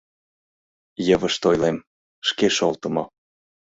йывышт ойлем — шке шолтымо